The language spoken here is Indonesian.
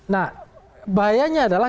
nah bahayanya adalah